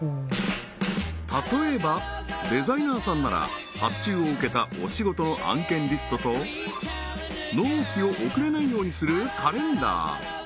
例えばデザイナーさんなら発注を受けたお仕事の案件リストと納期を遅れないようにするカレンダー